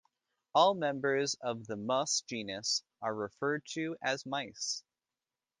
All members of the "Mus" genus are referred to as mice.